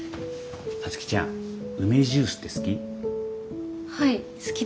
皐月ちゃん梅ジュースって好き？